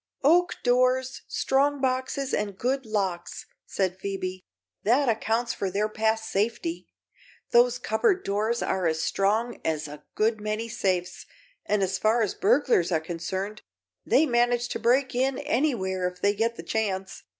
"Oak doors, strong boxes and good locks," said Phoebe; "that accounts for their past safety. Those cupboard doors are as strong as a good many safes, and as far as burglars are concerned, they manage to break in anywhere if they get the chance.